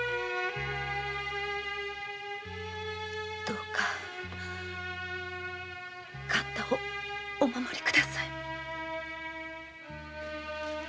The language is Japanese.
どうか勘太をお守り下さい。